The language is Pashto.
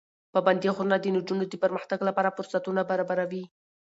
پابندي غرونه د نجونو د پرمختګ لپاره فرصتونه برابروي.